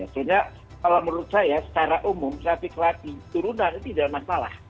sebenarnya kalau menurut saya secara umum traffic light di turunan itu tidak masalah